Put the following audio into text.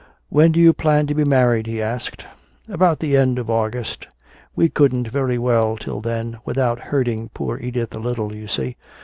"When do you plan to be married?" he asked. "About the end of August. We couldn't very well till then, without hurting poor Edith a little, you see.